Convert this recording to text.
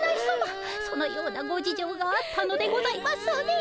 そのようなご事情があったのでございますね。